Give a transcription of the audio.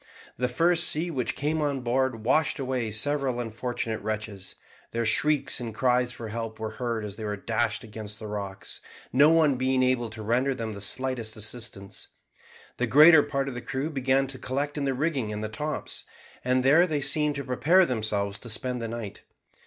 The first sea which came on board washed away several unfortunate wretches; their shrieks and cries for help were heard as they were dashed against the rocks, no one being able to render them the slightest assistance. The greater part of the crew began to collect in the rigging and the tops, and there they seemed to prepare themselves to spend the night.